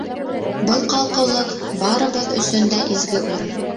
Был ҡалҡыулыҡ — барыбыҙ өсөн дә изге урын.